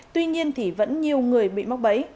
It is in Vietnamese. tuy nhiên thì vẫn nhiều người bị móc bấy